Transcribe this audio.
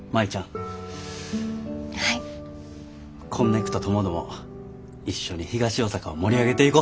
こんねくとともども一緒に東大阪を盛り上げていこ。